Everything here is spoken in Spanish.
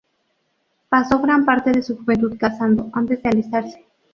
Pasó gran parte de su juventud cazando, antes de alistarse.